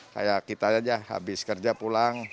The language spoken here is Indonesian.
kayak kita aja habis kerja pulang